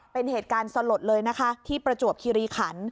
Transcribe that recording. เป็นเหตุการณ์สลดเลยนะคะที่ประจวบคิริขัน